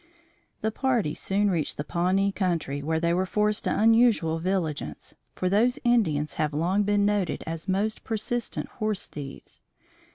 The party soon reached the Pawnee country where they were forced to unusual vigilance, for those Indians have long been noted as most persistent horse thieves.